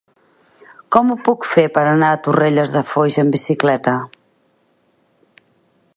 Com ho puc fer per anar a Torrelles de Foix amb bicicleta?